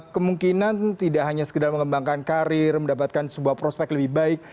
kemungkinan tidak hanya sekedar mengembangkan karir mendapatkan sebuah prospek lebih baik